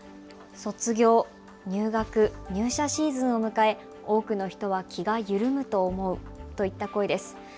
卒業、入学、入社シーズンを迎え多くの人は気が緩むと思うといった声です。